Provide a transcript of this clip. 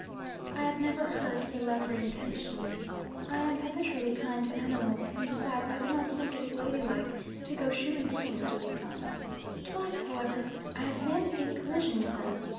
I have never hurt a leopard intentionally; I am habitually kind to animals, and besides I do not think it is ladylike to go shooting things with a gun. Twice, however, I have been in collision with them.